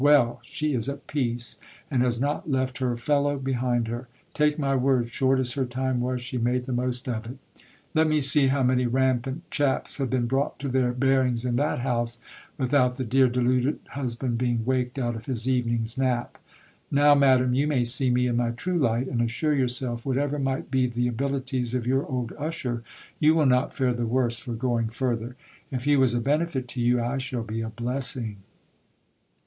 Well ! she is at peace, and has not left her fellow behind her ! Take my word, short as her time was, she made the most of it Let me see how many rampant chaps have been brought to their bearings in that house, without the dear deluded husband being waked out of his evening's nap ! Now, madam, you may see me in my true light ; and assure yourself, whatever might be the abilities of your old usher, you will not fare the worse for going further. If he was a benefit to you, I shall be a blessing.